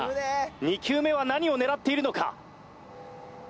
２球目は何を狙っているのか？